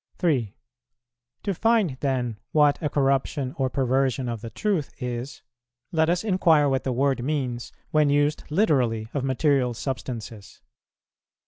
3. To find then what a corruption or perversion of the truth is, let us inquire what the word means, when used literally of material substances.